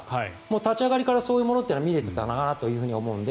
立ち上がりからそういうものが見えていたなと思うので。